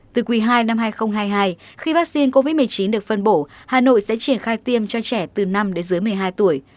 từ quý ii năm hai nghìn hai mươi hai khi vaccine covid một mươi chín được phân bổ hà nội sẽ triển khai tiêm cho trẻ từ năm đến dưới một mươi hai tuổi